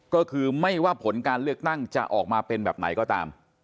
ก็คือไม่ว่าผลการเลือกตั้งจะออกมาเป็นแบบไหนก็ตาม